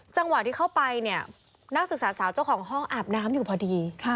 จังหวะที่เข้าไปเนี่ยนักศึกษาสาวเจ้าของห้องอาบน้ำอยู่พอดี